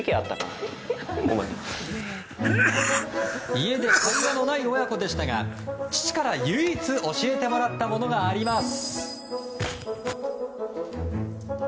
家で会話のない親子でしたが父から唯一教えてもらったものがあります。